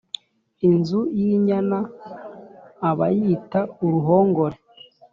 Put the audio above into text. Inzu y’Inyan abayita uruhongore